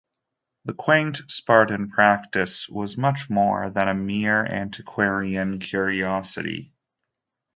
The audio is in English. The quaint Spartan practice was much more than a mere antiquarian curiosity.